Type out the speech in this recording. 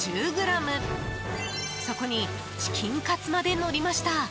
そこにチキンカツまでのりました。